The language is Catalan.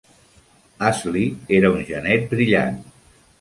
Astley era un genet brillant.